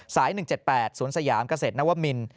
๑๗๘สวนสยามเกษตรนวมิน